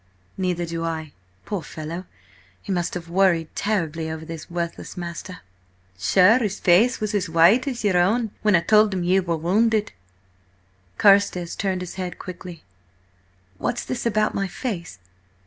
"Neither do I. Poor fellow, he must have worried terribly over his worthless master." "Sure, his face was as white as your own when I told him ye were wounded!" Carstares turned his head quickly. "What's this about my face?